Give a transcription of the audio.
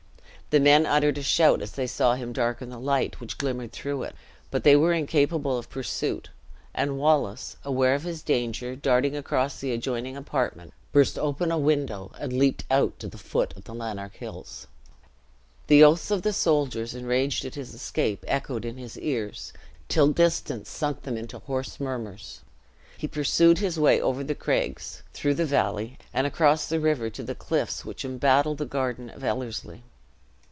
The men uttered a shout as they saw him darken the light which glimmered through it; but they were incapable of pursuit; and Wallace, aware of his danger, darting across the adjoining apartment, burst open a window, and leaped out to the foot of the Lanark hills. The oaths of the soldiers, enraged at his escape, echoed in his ears, till distance sunk them into hoarse murmurs. He pursued his way over the craigs; through the valley, and across the river, to the cliffs which embattle the garden of Ellerslie.